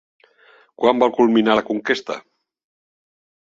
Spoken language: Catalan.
Quan va culminar la conquesta?